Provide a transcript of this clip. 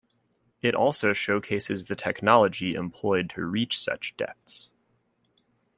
It also showcases the technology employed to reach such depths.